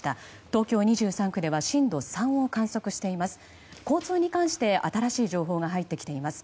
東京２３区では震度３を観測しています。